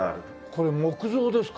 これは木造ですか？